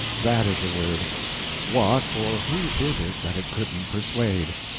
that is the word; what or who is it that it couldn't persuade?